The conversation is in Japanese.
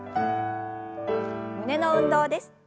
胸の運動です。